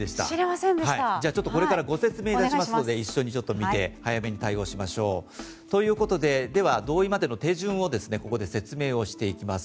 ちょっとこれからご説明いたしますので一緒にちょっと見て早めに対応しましょうということででは同意までの手順をここで説明をしていきます。